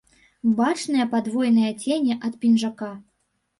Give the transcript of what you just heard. Бачныя падвойныя цені ад пінжака.